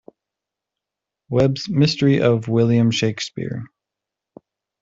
Webb's "Mystery of William Shakespeare".